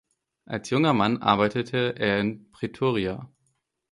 Als junger Mann arbeitete er in Pretoria.